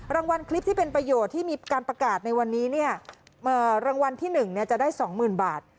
รางวัลคลิปที่เป็นประโยชน์ที่มีการประกาศในวันนี้เนี่ยรางวัลที่หนึ่งเนี่ยจะได้สองหมื่นบาท